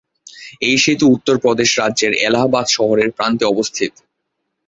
এই সেতু উত্তর প্রদেশ রাজ্যের এলাহাবাদ শহরের প্রান্তে অবস্থিত।